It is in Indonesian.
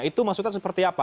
itu maksudnya seperti apa